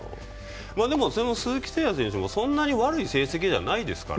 でも、鈴木誠也選手もそんなに悪い成績じゃないですから。